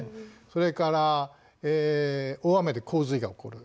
それから大雨で洪水が起こる。